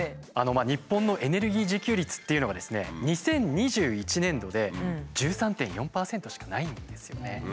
日本のエネルギー自給率っていうのが２０２１年度で１３．４％しかないんですよね。